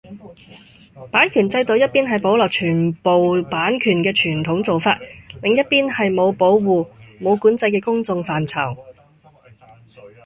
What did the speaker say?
版權制度一邊係保留全部版權嘅傳統做法，另一邊係冇保護，冇管制嘅公共範疇